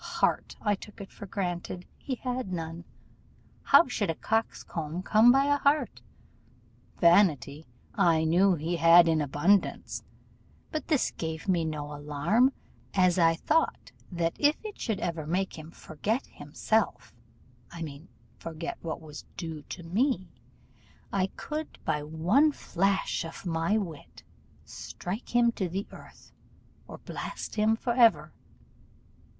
Heart, I took it for granted, he had none; how should a coxcomb come by a heart? Vanity I knew he had in abundance, but this gave me no alarm, as I thought that if it should ever make him forget him self, I mean forget what was due to me, I could, by one flash of my wit, strike him to the earth, or blast him for ever.